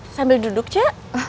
sambil duduk cak